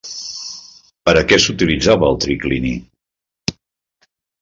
Per a què s'utilitzava el triclini?